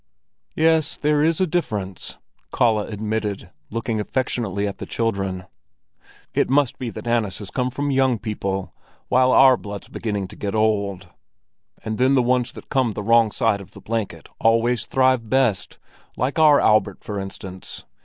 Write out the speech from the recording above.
"Yes, there is a difference," Kalle admitted, looking affectionately at the children. "It must be that Anna's has come from young people, while our blood's beginning to get old. And then the ones that come the wrong side of the blanket always thrive best—like our Albert, for instance.